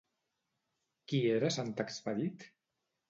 Qui era sant Expedit?